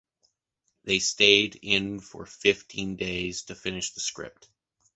They stayed in for fifteen days to finish the script.